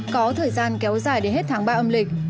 có thời gian kéo dài đến hết tháng ba âm lịch